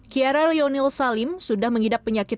kiara leonil salim sudah mengidap penyakit